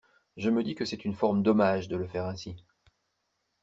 Je me dis que c’est une forme d’hommage de le faire ainsi.